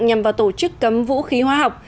nhằm vào tổ chức cấm vũ khí hoa học